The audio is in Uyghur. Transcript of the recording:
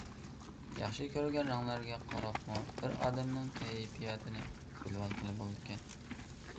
ياخشى كۆرگەن رەڭلىرىگە قاراپمۇ بىر ئادەمنىڭ كەيپىياتىنى بىلىۋالغىلى بولىدىكەن.